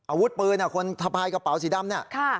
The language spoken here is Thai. อาวุธปืนคนสะพายกระเป๋าสีดำเนี่ย